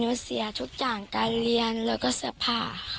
เสียทุกอย่างการเรียนแล้วก็เสื้อผ้าค่ะ